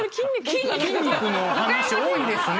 筋肉のお話多いですね。